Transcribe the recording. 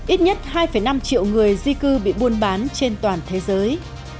ít nhất hai năm triệu người di cư bị buôn bán trên toàn thế giới